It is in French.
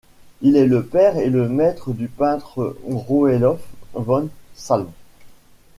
Il est le père et le maître du peintre Roelof van Salm.